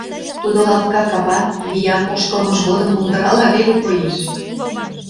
Тудо лапка капан, виян ошкылмыж годым мундырала веле коеш.